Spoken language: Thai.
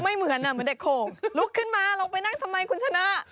เหมือนเหมือนเด็กโข่งลุกขึ้นมาลงไปนั่งทำไมคุณชนะ